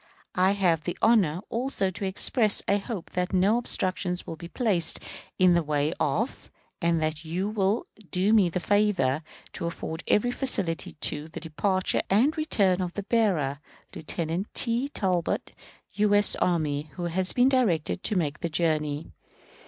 I have the honor also to express a hope that no obstructions will be placed in the way of, and that you will do me the favor to afford every facility to, the departure and return of the bearer, Lieutenant T. Talbot, U. S. Army, who has been directed to make the journey.